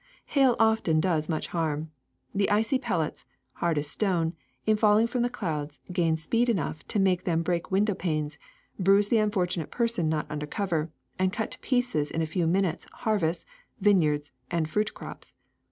^*Hail often does much harm. The icy pellets, hard as stone, in falling from the clouds gain speed enough to make them break window panes, bruise the unfortunate person not under cover, and cut to pieces in a few minutes harvests, vineyards, and fruit crops.